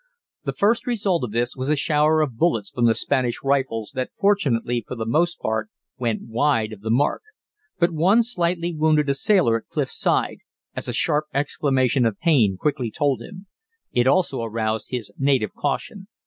The first result of this was a shower of bullets from the Spanish rifles that fortunately for the most part went wide of the mark. But one slightly wounded a sailor at Clif's side, as a sharp exclamation of pain quickly told him. It also aroused his native caution.